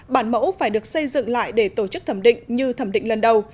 bản mẫu phải được xây dựng lại để tổ chức thẩm định như thẩm định lần đầu